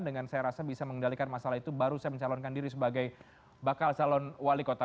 dengan saya rasa bisa mengendalikan masalah itu baru saya mencalonkan diri sebagai bakal calon wali kota